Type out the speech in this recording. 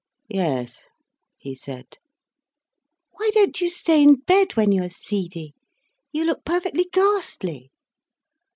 "Yes," he said. "Why don't you stay in bed when you are seedy? You look perfectly ghastly."